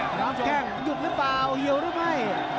ผู้ชมหยุดหรือเปล่าเยี๋ยวหรือไม่